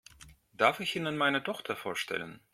Darf ich Ihnen meine Tochter vorstellen?